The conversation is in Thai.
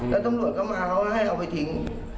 แล้วตำรวจก็มาเขาก็ให้เอาไปทิ้ง